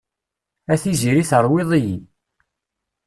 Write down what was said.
A tiziri terwid-iyi.